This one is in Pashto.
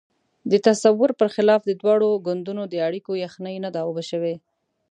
د تصور پر خلاف د دواړو ګوندونو د اړیکو یخۍ نه ده اوبه شوې.